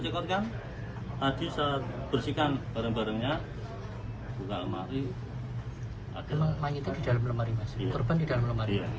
korban di dalam lemari mas korban di dalam lemari